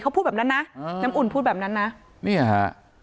เขาพูดแบบนั้นนะน้ำอุ่นพูดแบบนั้นนะเนี่ยฮะ